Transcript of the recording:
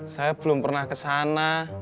saya belum pernah kesana